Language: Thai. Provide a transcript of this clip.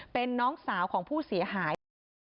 เป็นน้องสาวของผู้เสียหายค่ะ